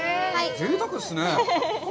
ぜいたくですね。